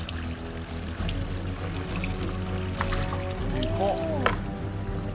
「でかっ」